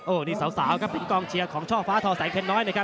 นี่สาวครับเป็นกองเชียร์ของช่อฟ้าทอแสงเพชรน้อยนะครับ